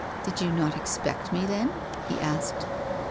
" Did you not expect me, then ?" he asked.